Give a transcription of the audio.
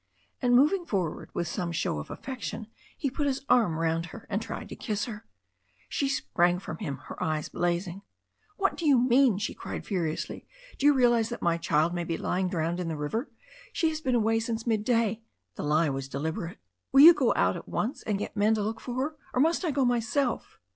And moving forward with some show of affection, he put his arm round her and tried to kiss her. She sprang from him, her eyes blazing. "What do you mean ?" she cried furiously. "Do you real ize that my child may be lying drowned in the river? She has been away since midday" — ^the lie was deliberate — "will you go out at once and get men to look for her, or must I go myself?"